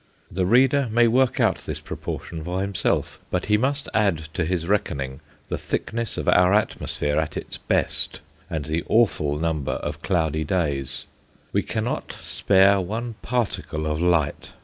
The reader may work out this proportion for himself, but he must add to his reckoning the thickness of our atmosphere at its best, and the awful number of cloudy days. We cannot spare one particle of light.